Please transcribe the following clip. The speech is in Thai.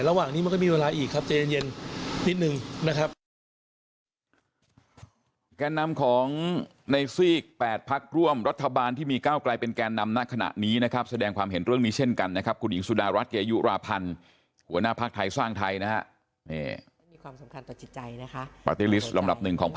ระหว่างนี้มันก็มีเวลาอีกครับใจเย็นนิดนึงนะครับ